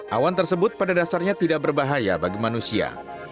awan tersebut pada dasarnya tidak berbahaya bagi manusia